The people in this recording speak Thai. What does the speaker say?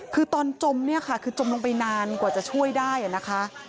คือตอนจมเนี่ยค่ะคือจมลงไปนานกว่าจะช่วยได้นะคะ